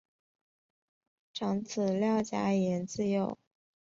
长子廖嘉言自幼习大提琴。